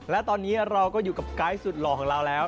และตอนนี้เราก็อยู่กับไกด์สุดหล่อของเราแล้ว